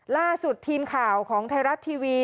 ล่าสุดทีมข่าวของไทยรัฐทีวี